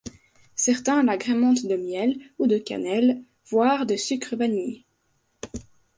Certains l'agrémentent de miel ou de cannelle, voire de sucre vanillé.